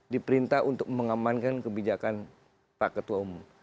diperintah untuk mengamankan kebijakan pak ketua umum